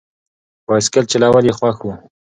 بایسکل چلول یې خوښ و.